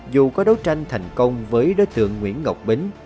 dù có đấu tranh thành công với đối tượng nguyễn ngọc bính